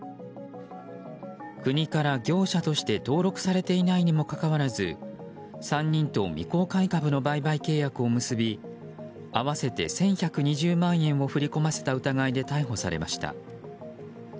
国から業者として登録されていないにもかかわらず３人と未公開株の売買契約を結び合わせて１１２０万円を振り込ませた疑いで逮捕されました。